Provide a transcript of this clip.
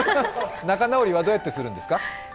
仲直りはどうやってするんですか？